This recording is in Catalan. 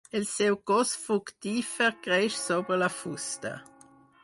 El seu cos fructífer creix sobre la fusta.